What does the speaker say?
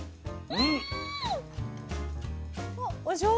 うん！